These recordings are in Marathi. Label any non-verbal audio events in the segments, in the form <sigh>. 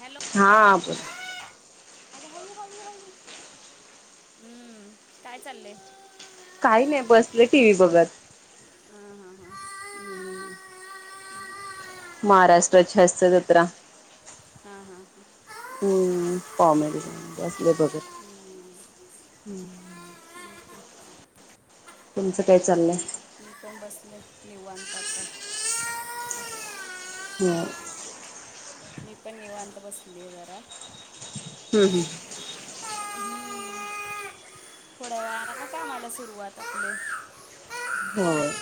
हॅलो! हा बोल <unintelligible> आग हळू हळू हळू हम्म काय चाललंय? काही नाही बसलेय टी व्ही बगत. हा हा हा. महाराष्ट्राची हास्य जत्रा. हा हा हा. हम कॉमेडी बसले बघत. तुमचं काय चाललंय? निवांत <unintelligible> हम. मी पण निवांत बसलीये जरा. हम् हम. हम् थोड्या वेळा का कामाला सुरुवात आपली <unintelligible> होय.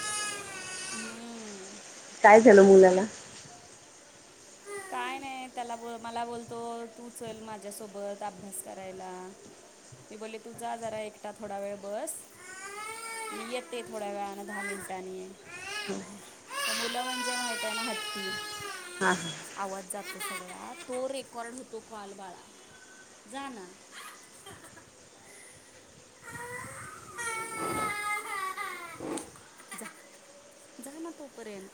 हम्म काय झालं मुलाला? काय नाही त्याला ब -मला बोलतो तू चल माझ्यासोबत अभ्यास करायला. मी बोलले तू जा जरा एकटा थोडा वेळ बस. मी येते थोड्या वेळान दहा मिनिटांनी. मुलं म्हणजे नताना हत्ती हा. आवाज जातो सगळा तो रेकॉर्ड होतो कॉल बाळा जा ना. जा जा ना तोपर्यंत.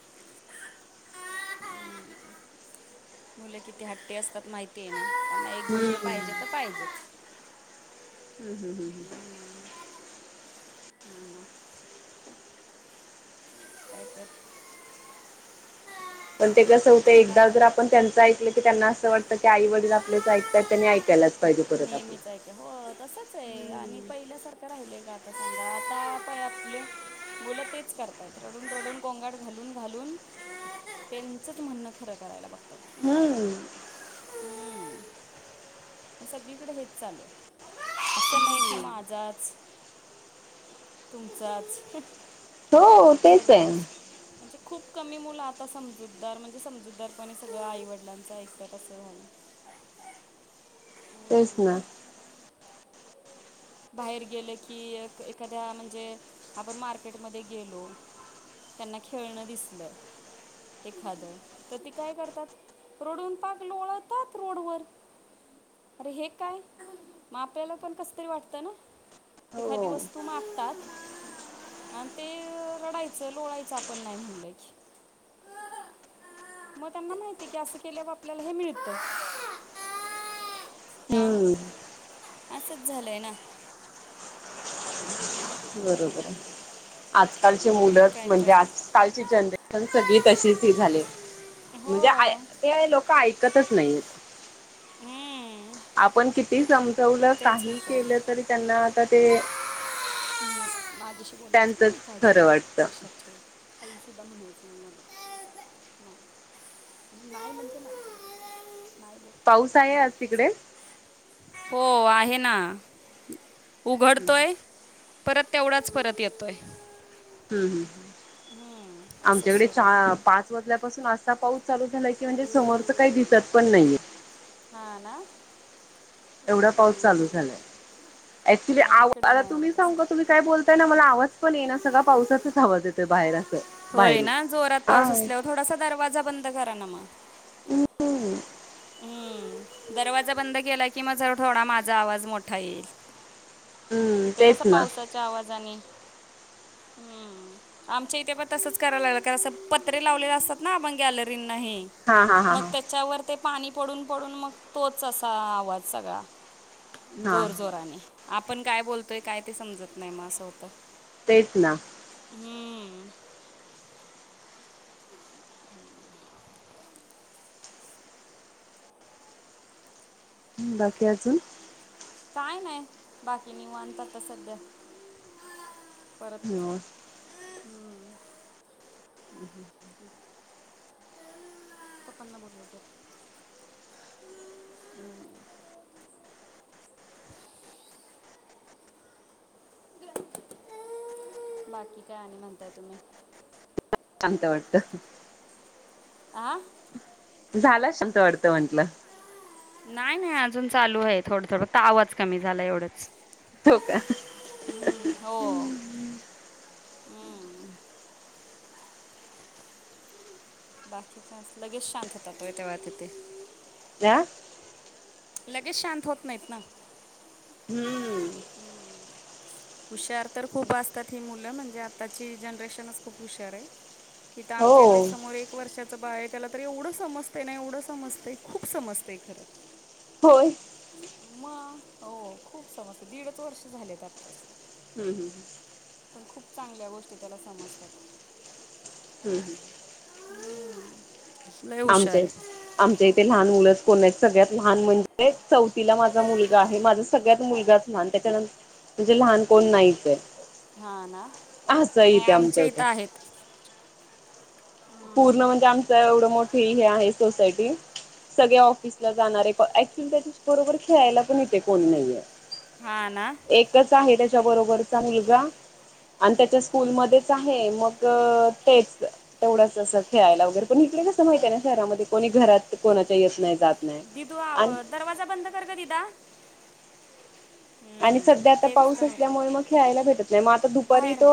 मुल किती हट्टी असतात माहिती आहे ना. एक गोष्ट हम्म पाहिजे तर पाहिजेच. हम हम हम हं. हा ना, नाही तर पण ते कस होतंय झाला एकदा आता. जर आपण त्यांचं ऐकलं की त्यांना असं वाटतं की आई वडील आपल्याच ऐकतात त्यांनी ऐकायलाच पाहिजे परत नेहमीच आपलं आहे. हो तसच आहे आणि पहिल्यासारखं राहिलय का आता समजा आताय आपले मुलं तेच करतात रडून रडून कोंगाट घालून घालून त्यांचच म्हणणं खरं करायला बघतायत. हंम्म. पण सगळीकडे हेच चालू आहे असं नाही कि मा माझाच. तुमचाच. हो. तेच आहे सगळ्यांच. म्हणजे खूप कमी मुलं आता समजूतदार म्हणजे समजूतदारपणे सगळ्या आई वडिलांचं ऐकतात असं म्हण‌. तेच ना. बाहेर गेले की ए-एखाद्या म्हणजे आपण मार्केटमध्ये गेलो. त्यांना खेळणं दिसलं एखादं तर ते काय करतात? रोडून पाक लोळतात रोडवर. अरे हे काय म आप्याला पण कस तरी वाट तना. एखादी हो वस्तू मागतात. आणि ते रडायचं लोळायचं आपण नाही म्हणलं की. मग त्यांना माहती की असं केलेवर आपल्याला हे मिळत. आं हम्म असंच झालं आहे ना. हम. बरोबर आहे. आजकालची मग मुलं काय तर म्हणजे आजकालची जनरेशन सगळी तशीच ही झाले. हो. ते लोक ऐकतच नाही हम्म, आपण किती समजून वलं तेच काही होतं केलं तरी त्यांना आता ते त्यांचंच खरं वाटतं. <unintelligible> नाही पाऊस आहे आज तिकडे? <unintelligible> <inaudible> हो आहे ना उघडतोय. परत तेवढाच परत येतोय. हम् हम्. हम्म. असंच आमच्याकडे सुरू आहे चार-पाच वाजल्यापासून असा पाऊस चालू झाला आहे की म्हणजे समोरचं काही दिसत पण नाहीये. हां ना. एवढा पाऊस चालू झालाय. ऍक्च्युली नाही आव इकडे आता नाही एवढं तुम्ही सांगू का तसं तुम्ही काय बोलताय ना मला आवाज पण येईना सगळा पावसाचाचं आवाज येतोय बाहेर असं. होय बाहेरून. ना जोरात हा. पाऊस असल्यावर थोडासा दरवाजा बंद करा ना मग. <inaudible> हुं दरवाजा बंद केला की माझा हो थोडा माझा आवाज मोठा येईल. हम्म ते तेच कसं ना पावसाच्या आवाजाने हुं. आमच्या इथे पण तसंच करायला लागलं कारण असं पत्रे लावलेले असतात ना आपण गॅलरींना ही हा हा हा मग हा त्याच्यावर ते पाणी पडून पडून मग तोच असा आवाज सगळा हा जोर जोराने. आपण काय बोलतोय काय ते समजत नाही मग असं होतं. तेच ना. हुं. बाकी अजून? काय नाय. बाकी निवांत आता सध्या. <unintelligible> <inaudible> <unintelligible> पप्पांना बोलव जरा. <inaudible> बाकी काय आणि म्हणताय तुम्ही? चांगलं वाटतं. आं. झाला <unintelligible> वाढतं म्हंटलं. नाही नाही अजून चालू आहे थोडं थोडं का आवाज कमी झाला एवढंच. हो का. हुं हो. हम्म. बाकी काय असं लगेच शांत होतात होय तेव्हा तिथे. <unintelligible> लगेच शांत होत नाहीत ना. हुं. हुशार तर खूप असतात ही मुलं म्हणजे आत्ताची जनरेशनचं खूप हुशार हाय. इथं हो आमच्या इथं समोर एक वर्षाचं बाळ आहे त्याला तर एवढं समजतंय ना एवढं समजतंय. खूप समजतंय खरं. हो मग हो खूप समजतंय दीडचं वर्ष झालेत आताचं. हुं हुं. पण खूप चांगल्या गोष्टी त्याला समजतात. हम्म हुं. आमच्या इथ आमच्या इथे लहान मुलंच कोण नाहीत सगळ्यात लहान म्हणजे चौथीला माझा मुलगा आहे माझा सगळ्यात मुलगाचं लहान, त्याच्यानं म्हणजे लहान कोण नाहीचं आहे. हा ना असं आहे नाही इथे आमच्या इथे. इथं आहेत पूर्ण म्हणजे आमचं एवढं मोठी हे आहे सोसायटी. सगळे ऑफिसला जाणारे प- ऍक्च्युली त्याच्या बरोबर खेळायला पण इथे कोण नाहीये. हा ना. एकचं आहे त्याच्याबरोबरचा मुलगा. आणि त्याच्या स्कूलमध्येच आहे मग तेच तेवढंच असं खेळायला वगैरे पण इथे कसं माहितीये ना शहरामध्ये कोणी घरात कोणाच्या येत नाही जात नाही दिदू आव आणि दरवाजा बंद कर ग दिदा. आणि हम्म, सध्या आता तेच पाऊस तर होत असल्यामुळे मग खेळायला भेटत नाही मग आता दुपारी बाहेर तो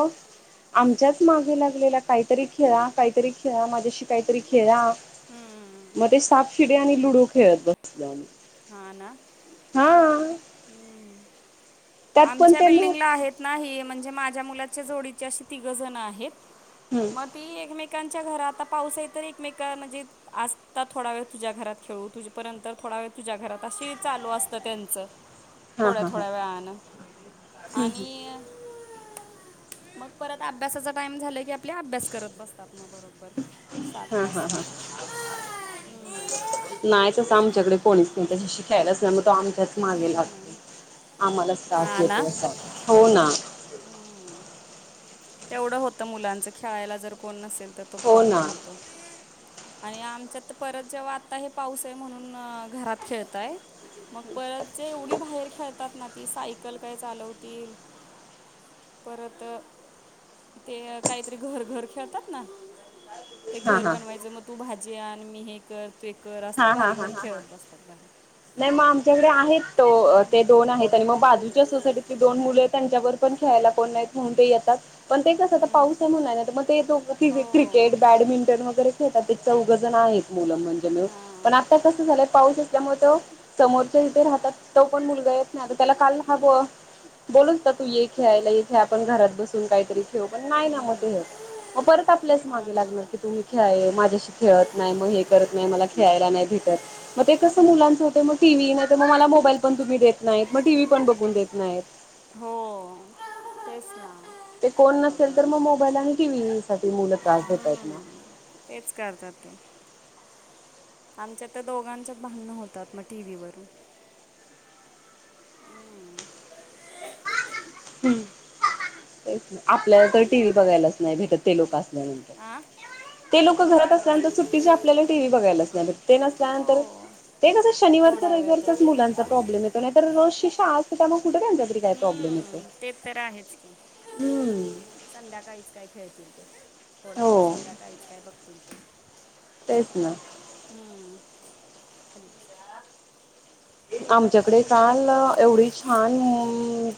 आमच्याच मागे लागलेला काहीतरी खेळा काहीतरी खेळा माझ्याशी काहीतरी खेळा. हम्म, मग ते सापशिडी आणि लुडो खेळत बसलो आमी. हा ना. हा. हम् <unintelligible> त्यात पण आमच्या त्यांना बिल्डिंगला आहेत ना हे म्हणजे माझ्या मुलाच्या जोडीचे अशे तिघं जणं आहेत. हम्म मग ते एकमेकांच्या घर आता पाऊस आहे तर एकमेकां म्हणजे आजता थोडा वेळ तुझ्या घरात खेळू तुझ्यापर्यंत थोडा वेळ तुझ्या घरात असं चालू असतं त्यांचं. हा थोड्या हा हा थोड्या वेळानं. हम्म आणि मग परत अभ्यासाचा टाइम झाला की आप आपले अभ्यास करत बसतात मग बरोबर सात वाजता. नाही तसं आमच्याकडे कोणीच नाही त्याच्याशी खेळायलाच नाही मग तो आमच्याच मागे हम्म. लागतो आम्हालाच त्रास देतो अस हो ना. हम. तेवढं होतं मुलांचं खेळायला जर कोण नसेल तर तो हो ना प्रॉब्लेम होतो. आणि आमच्यात परत जेव्हा आता हे पाऊस आहे म्हणून घरात खेळताय. मग परत जे एवढी बाहेर खेळतात ना ती सायकल काय चालवतील. परत ते काहीतरी घर घर खेळतात ना ते हां घर हां बनवायचं म तू भाजी आण मी हे कर ते कर असलं हां हां भारी हां भारी हां हां खेळत बसतात भारी. नाही मग आमच्याकडे आहेत तो ते दोन आहेत आणि मग बाजूच्या सोसायटीतली दोन मुले त्यांच्याबर पण खेळायला कोण नाही म्हणून ते येतात. पण ते कसं आता हम्म. पाऊस आहे म्हणून नाही मग ते दोघ ति हो क्रिकेट बॅडमिंटन वगैरे खेळतात ते चौघ जण आहेत मुलं म्हणजे हां आता कस झालं पाऊस असल्यामुळे तो समोरच्या इथे राहतात तो पण मुलगा येत नाही आता त्याला काल हा बो बोलत होता तु ये खेळायला ये खेळ आपण घरात बसु आपण काही तरी पण नाही मते हम्म. हे मग परत आपल्यास हा मागे ना लागणार की तुम्ही खेळा माझ्याशी खेळत नाही मग हे करत नाही मला खेळायला नाही भेटत. मग ते कसं मुलांचं होते मग टीव्ही नाही मग मला मोबाईल पण तुम्ही देत नाहीत मग टीव्ही पण बघून देत नाहीत. हो तेच ना. ते कोण नसेल तर मग मोबाईल आणि टीव्ही साठी मुलं त्रास देतायत मग. तेच करतात ते. आमच्या तर दोघांच्यात भांडणं होतात मग टीव्हीवरून. हं आपल्याला तर टी व्ही बघायलाच नाही भेटत ते लोक असल्यानंतर. आ ते लोक घरात असल्यानंतर सुट्टीच्या आपल्याला टीव्ही बघायला नाही भेटत ते नसल्यानंतर हो ते कसं शनिवारच थोडा वेळ रविारचाच तरी मुलांचा प्रॉब्लेम येतो. त नाही तर रोजची शाळा असली तर कुठे त्यांचा तरी काय प्रॉब्लेम येतोय. हम्म, ते तर आहेच की. हम्म. संध्याकाळीच काय खेळतील ते थोडा वेळ हो संध्याकाळीच काय बघतील तेच ना. हम्. आमच्याकडे काल एवढी छान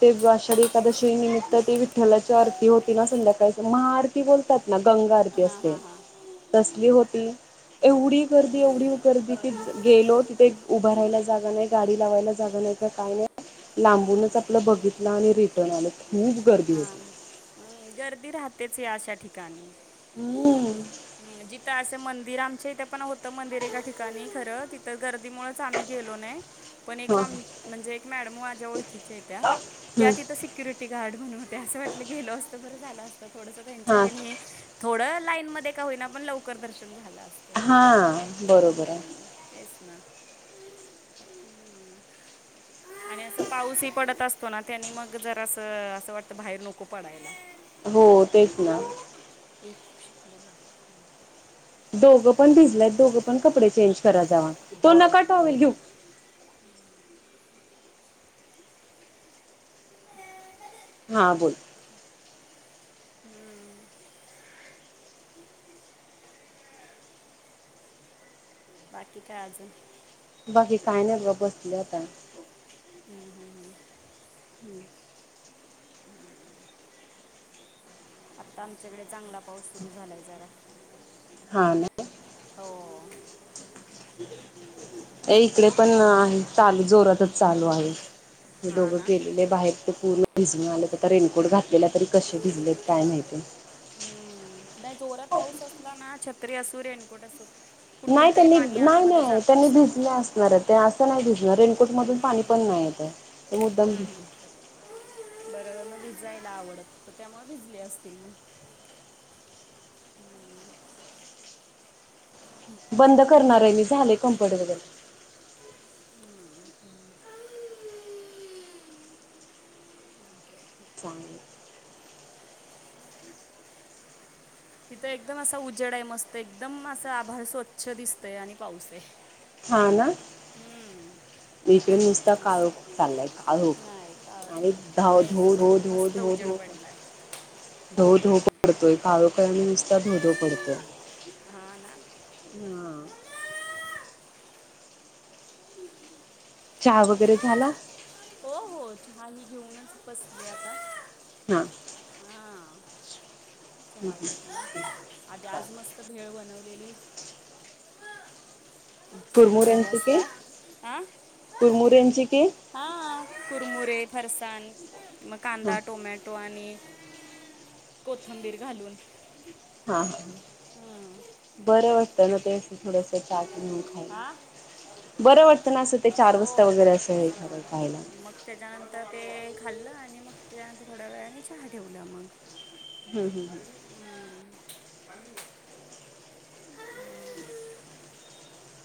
ते आषाढी एखकादशी निमित्त ते विठ्ठ विठ्ठलाची आरती होती ना संध्याकाळी महाआरती बोलतात ना गंगा आरती हां असते. हां हां कसली होती. एवढी गर्दी एवढी गर्दी की गेलो तिथे उभा राहायला जागा नाही गाडी लावायला जागा नाही तर काही नाय. लांबूनच आपलं बघितलं आणि रिटर्न आलं खूप गर्दी हां होती. हम्म, गर्दी राहतेच या अशा ठिकाणी. हम्म. जिथं असे मंदिर आमच्या इथे पण होतं मंदिर एका ठिकाणी खरं तिथं गर्दीमुळ च आम्ही गेलो नाही पण एक हां म्हणजे एक मॅडम माझ्या ओळखीच्या त्या तिथ हां सिक्युरिटी गार्ड म्हणून होते असं वाटलं गेलो असतं बरं झालं असतं थोडंसं तेंच्या हां ह्याने थोडं लाईन मध्ये का होईना पण लवकर दर्शन झालं असत. हा बरोबर. तेच ना. आणि असं पाऊस ही पडत असतो ना त्यांनी मग जरास असं वाटतं बाहेर नको पडायला. हो तेच ना. एकफ <unintelligible> दोघं पण भिजलेत दोघं पण कपडे चेंज करा जावा तो नका टाँवेल घेऊ. ह <unintelligible> हा बोल. हम्म. बाकी काय अजून? बाकी काय नाही बग बसलेय आता. हम्म हम्म हम्म. हम्म <unintelligible> आता आमच्याकडे चांगला पाऊस सुरू झालाय जरा. हा ना? हो. अ इकडे पण आहे चालू जोरातच चालू आहे हे हा दोघं ना गेलेले बाहेर. ते पूर्ण भिजून आलेत आता रेनकोट घातलेला तरी कसे भिजलेत काय माहिती. हम्म. नाही जोरात पाऊस असला ना छत्री असू रेनकोट असू कुठून नाही तरी त्यांनी पाणी नाही आतमध्ये नाही जातं त्यांनी असं होतं भिजले असणार ते असं नाही भिजणार मधून पाणी हम्म. नाही आहे ते ते मुद्दम हम्म, हम्म. घस बरं मग भिजायला आवडत तर त्यामुळे भिजली असतील मग. बंद करणार आहे मी झाले कम्पुटल <unintelligible> चांग <unintelligible> तिथं एकदम असा उजेडा आहे मस्त एकदम असा आभाळ स्वच्छ दिसतय आणि पाऊस आहे. हा ना. हम्म. इकडे नुसता मस्त. काळोख चाललाय काळोख. नाही काळोख आणि नाही धाव इथं धो एकदम धो धो मस्त उजेड धो पडलाय धो धो पडतोय काळोख हाय न नुसता धो धो पडतोय. हा ना हा. चहा वगैरे झाला? हो हो चहा ही घेऊनच बसलेय आता. हा. हां चहा घेतला आधी आज मस्त भेळ बनवलेली. कुरमुर साडेचार यांचे के वाजता कुरमुर यांचे के? हा कुरमुुरे फरसाण मग हा कांदा टोमॅट टो आणि कोथंबीर घालून. हा हा बरं वाटतं ना ते थोडस चाट म्हणून खाईल. हां बरं वाटतं ना असं ते चार हो वाजता वगैरे असं तेच हे ना खायला. मग त्याच्यानंतर ते खाल्लं आणि मग त्याच्यानंतर थोड्या वेळाने चहा ठेवलं मग. हम्म हम्म <inaudible>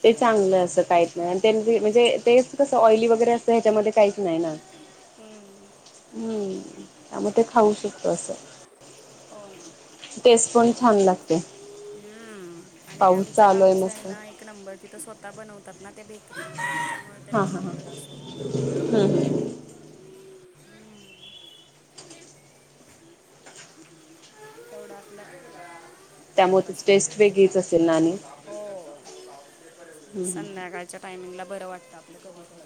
ते चांगलं असं काहीच नाही म्हणजे तेच कसं ऑइली वगैरे असतं ह्याच्यामध्ये काहीच नाही ना. हम्म. हम्म त्यामुळे ते खाऊ शकतो असं. हो ना टेस्ट पण छान लागते हम्म. आणि पाऊस चा आमचं चालूय गावचं आहे नूस्त. ना एक नंबर तिथं स्वतः बनवतात ना त्या बेकरीत पण. हा हा हा हा, हम्म हम्म हम्म. हम्म. तेवढा आपल्या. त्यामुळे त टेस्ट वेगळीच असेल ना आणि. हो संध्याकाळच्या टायमिंगला बर वाटतं आपलं कधीतरी.